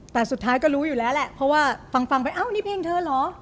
แต่สุดท้ายก็รู้อยู่แล้วแหละเพราะว่าฟังไปอ้าวนี่เพลงเธอเหรอ